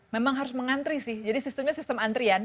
memang harus mengantri sih jadi sistemnya sistem antrian